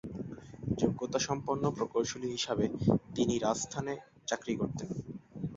যোগ্যতাসম্পন্ন প্রকৌশলী হিসাবে তিনি রাজস্থানে চাকরি করতেন।